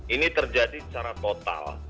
ini terjadi secara total